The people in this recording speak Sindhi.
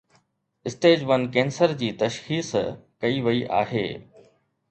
اسٽيج ون ڪينسر جي تشخيص ڪئي وئي آهي.